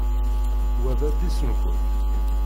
Wa d adlis-nkent?